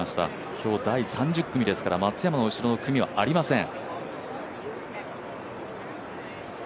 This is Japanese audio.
今日は第３０組ですから松山の後ろの組はありません。